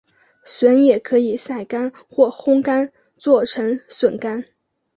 笋也可以晒干或烘干做成笋干。